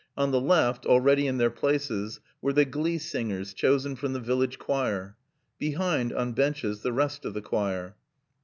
On the left, already in their places, were the glee singers chosen from the village choir. Behind, on benches, the rest of the choir.